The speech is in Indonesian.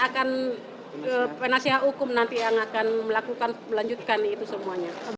ya nanti akan penasihat hukum nanti yang akan melakukan melanjutkan itu semuanya